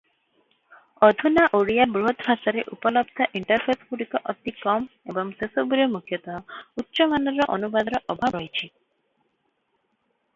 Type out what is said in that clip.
ଅଧୁନା ଓଡ଼ିଆ ବୃହତଭାଷାରେ ଉପଲବ୍ଧ ଇଣ୍ଟରଫେସଗୁଡ଼ିକ ଅତି କମ ଏବଂ ସେସବୁରେ ମୁଖ୍ୟତଃ ଉଚ୍ଚ ମାନର ଅନୁବାଦର ଅଭାବ ରହିଛି ।